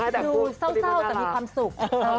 ดูเศร้าแต่มีความสุข